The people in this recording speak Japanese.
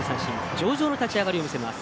上々の立ち上がりを見せます。